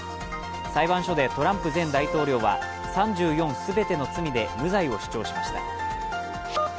裁判所でトランプ前大統領は３４全ての罪で無罪を主張しました。